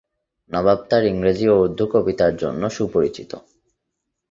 নবাব তার ইংরেজি ও উর্দু কবিতার জন্যও সুপরিচিত।